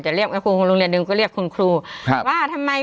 เรียกให้ครูของโรงเรียนหนึ่งก็เรียกคุณครูครับว่าทำไม